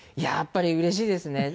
やっぱりうれしいですね。